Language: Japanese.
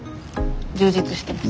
充実してます。